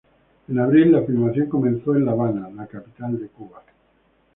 En abril, la filmación comenzó en La Habana, la capital de Cuba.